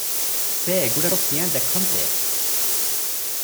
ସେ ଏଗୁଡ଼ାକ କିଆଁ ଦେଖନ୍ତେ?